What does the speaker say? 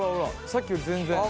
さっきより全然。